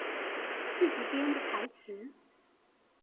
自己編的台詞